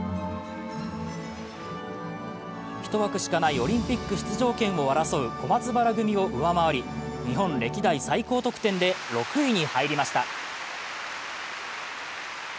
１枠しかないオリンピック出場枠を争う小松原組を上回り日本歴代最高得点で６位に入りました。